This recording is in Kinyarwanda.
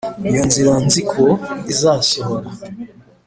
iyo nzira nzi ko izasohora.